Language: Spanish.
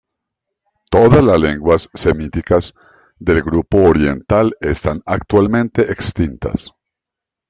Todas las lenguas semíticas del grupo oriental están actualmente extintas.